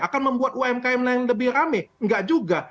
akan membuat umkm lain yang lebih rame nggak juga